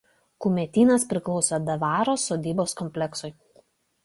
Kumetynas priklausė dvaro sodybos kompleksui.